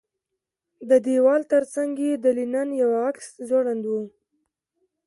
د دېوال ترڅنګ یې د لینن یو عکس ځوړند و